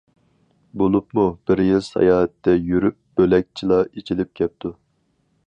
بولۇپمۇ بىر يىل ساياھەتتە يۈرۈپ بۆلەكچىلا ئېچىلىپ كەپتۇ.